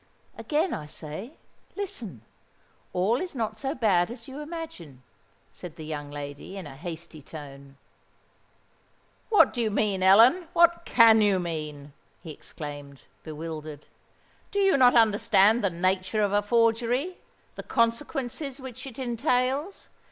"Again I say, listen. All is not so bad as you imagine," said the young lady, in a hasty tone. "What do you mean, Ellen? what can you mean?" he exclaimed, bewildered. "Do you not understand the nature of a forgery—the consequences which it entails?